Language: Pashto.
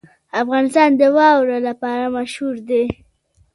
افغانستان د واوره لپاره مشهور دی.